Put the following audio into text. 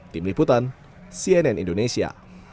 tim liputan cnn indonesia